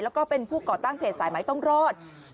แล้วก็เป็นผู้ก่อตั้งเพจสายไหมต้องรอด